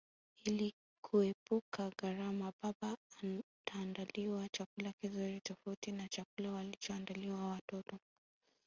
Ili kuepuka gharama baba ataandaliwa chakula kizuri tofauti na chakula walichoandaliwa watoto